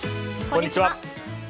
こんにちは。